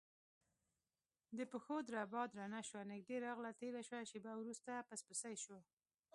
د پښو دربا درنه شوه نږدې راغله تیره شوه شېبه وروسته پسپسی شو،